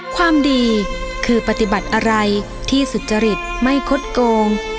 ความดีคือปฏิบัติอะไรที่สุจริตไม่คดโกง